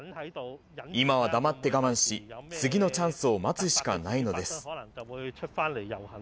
今は黙って我慢し、次のチャンスを待つしかないのです。